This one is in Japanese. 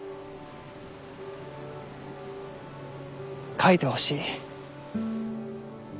書いてほしい。